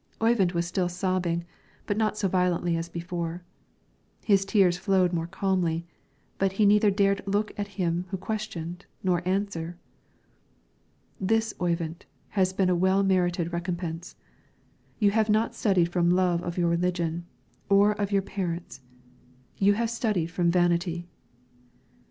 Oyvind was still sobbing, but not so violently as before; his tears flowed more calmly, but he neither dared look at him who questioned nor answer. "This, Oyvind, has been a well merited recompense. You have not studied from love of your religion, or of your parents; you have studied from vanity."